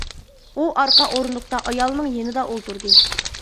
ئۇ ئارقا ئورۇندۇقتا ئايالىنىڭ يېنىدا ئولتۇردى.